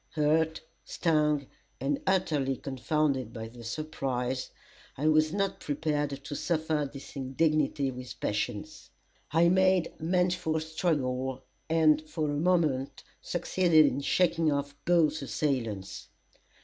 Hurt, stung, and utterly confounded by the surprise, I was not prepared to suffer this indignity with patience. I made manful struggle, and for a moment succeeded in shaking off both assailants.